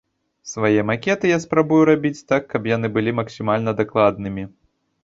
Свае макеты я спрабую рабіць так, каб яны былі максімальна дакладнымі.